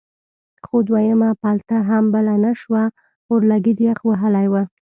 خو دویمه پلته هم بله نه شوه اورلګید یخ وهلی و.